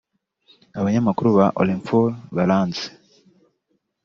abanyamakuru ba Orinfor baranzi